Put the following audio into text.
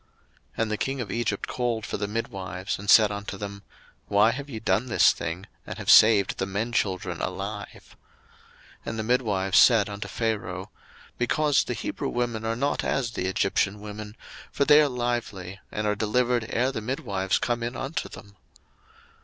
02:001:018 And the king of Egypt called for the midwives, and said unto them, Why have ye done this thing, and have saved the men children alive? 02:001:019 And the midwives said unto Pharaoh, Because the Hebrew women are not as the Egyptian women; for they are lively, and are delivered ere the midwives come in unto them.